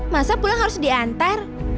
masa pulang harus diantar